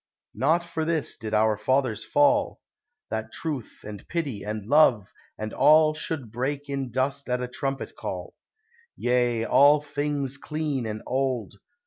Not for this did our fathers fall; That truth, and pity, and love, and all Should break in dust at a trumpet call, Yea! all things clean and old.